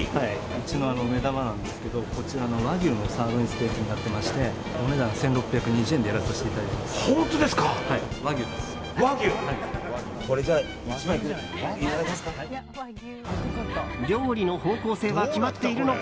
うちの目玉なんですけど和牛のサーロインステーキお値段１６２０円でやらさせていただいています。